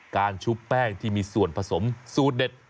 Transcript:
ชุบแป้งที่มีส่วนผสมสูตรเด็ด